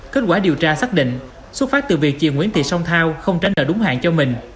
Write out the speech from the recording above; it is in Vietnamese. kết quả điều tra xác định xuất phát từ việc chịu nguyễn thị song thao không tránh nợ đúng hạn cho mình